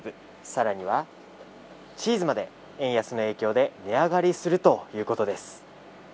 更にはチーズまで円安の影響で値上がりするということです。